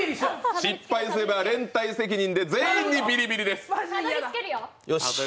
失敗すれば連帯責任で全員にビリビリです。